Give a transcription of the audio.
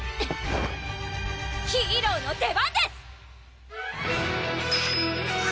ヒーローの出番です！